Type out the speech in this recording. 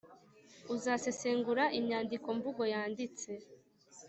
uzasesengura, imyandiko mvugo yanditse